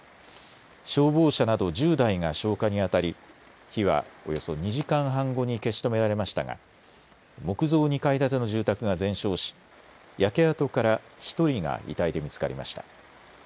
消防車など１０台が消火にあたり火はおよそ２時間半後に消し止められましたが木造２階建ての住宅が全焼し、焼け跡から１人が遺体で見つかりました。